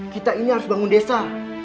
kita ini harus bangun desa